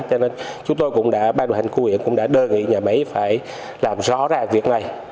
cho nên chúng tôi cũng đã ban đội hành khu huyện cũng đã đề nghị nhà máy phải làm rõ ra việc này